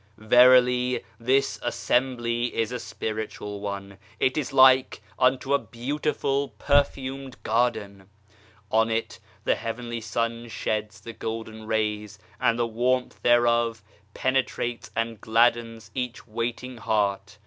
Verily this assembly is a Spiritual one ! It is like unto a beautiful perfumed garden ! On it the Heavenly Sun sheds the golden rays, and the warmth thereof penetrates and gladdens each waiting heart.